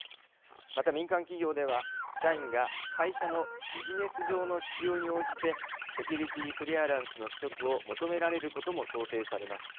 また、民間企業では社員が会社のビジネス上の必要に応じてセキュリティークリアランスの取得を求められることも想定されます。